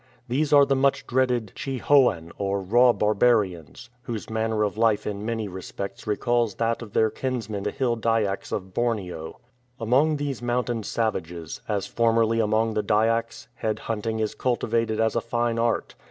These are the much dreaded Chhi hoan or " raw barbarians," whose manner of hfe in many respects recalls that of their kinsmen the Hill Dyaks of Borneo. Among these mountain savages, as formerly among the Dyaks, head hunting is cultivated as a fine art.